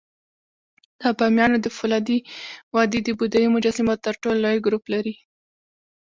د بامیانو د فولادي وادي د بودایي مجسمو تر ټولو لوی ګروپ لري